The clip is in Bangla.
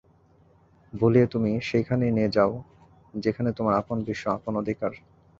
ভুলিয়ে তুমি সেইখানেই নিয়ে যাও যেখানে তোমার আপন বিশ্ব, আপন অধিকার।